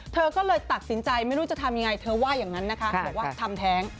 เธอก็เลยตัดสินใจไม่รู้จะทำยังไงเธอว่าอย่างนั้นนะคะบอกว่าทำแท้ง